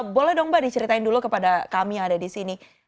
boleh dong mbak diceritain dulu kepada kami yang ada di sini